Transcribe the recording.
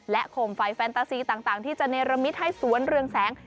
โขมไฟแฟนตาซีต่างที่จะเนรมิตให้สวนเรืองแสง